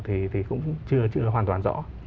thì cũng chưa hoàn toàn rõ